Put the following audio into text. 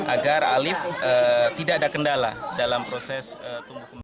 agar alif tidak ada kendala dalam proses tumbuh kembang